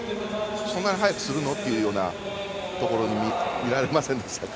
そんなに早くするの？というところに見られませんでしたか。